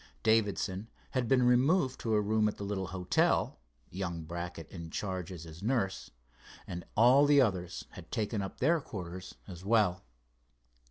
Davidson had been removed to a room at the little hotel, young Brackett in charge as his nurse, and all the others had taken up their quarters as well.